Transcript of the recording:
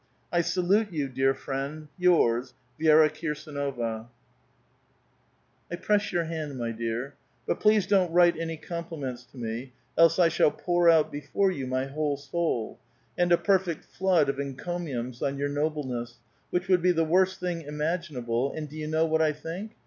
I salute 3*ou, dear friend, yours, ViERA KlRSANOYA* I press your hand, my dear. But please don't write any compliments to me, else I shall pour out before you my whole soul, and a perfect flood of enconiums on your noble ness, which would be the worst thing imaginable, and do you know what I think?